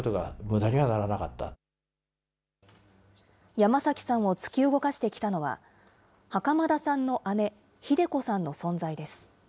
山崎さんを突き動かしてきたのは、袴田さんの姉、ひで子さんの存在です。